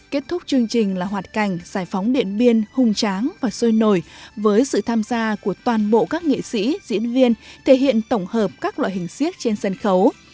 kết thúc chương trình là hoạt cảnh giải phóng điện biên hung tráng và sôi nổi với sự tham gia của toàn bộ các nghệ sĩ diễn viên thể hiện tổng hợp các loại hình siếc trên sân khấu